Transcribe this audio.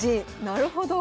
なるほど。